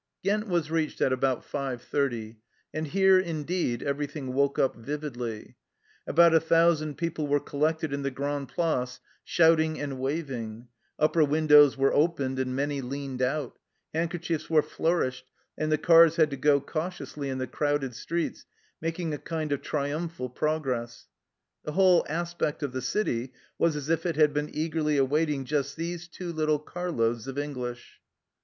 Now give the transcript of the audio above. Ghent was reached at about 5.30, and here indeed, everything woke up vividly ; about a thousand people were collected in the Grand Place shouting and waving ; upper windows were opened and many leaned out ; handkerchiefs were flour ished, and the cars had to go cautiously in the crowded streets, making a kind of triumphal progress. The whole aspect of the city was as if it had been eagerly awaiting just these two little car loads of English.